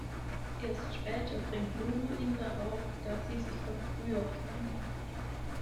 Erst später bringt Lulu ihn darauf, dass sie sich von früher kennen.